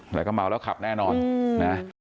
แล้วก็เมาแล้วขับแน่นอนนะ